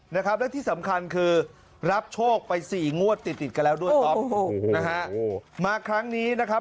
นะครับและที่สำคัญคือรับโชคไปสี่งวดติดกันแล้วด้วยมาครั้งนี้นะครับ